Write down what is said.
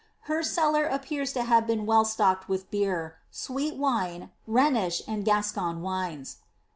Her cellar appears to have been well stocked with beer, sweet wine, Rhenish and Gascoigne wines.